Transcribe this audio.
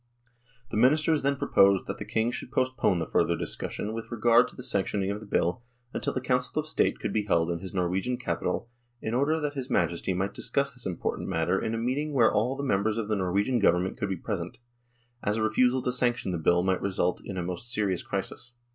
The Ministers then proposed that the King should postpone the further discussion with regard to the sanctioning of the Bill until a Council of State could be held in his Norwegian capital in order that his Majesty might discuss this important matter in a meeting where all the members of the Norwegian Government could be present, as a refusal to sanction the Bill might result in a most serious crisis.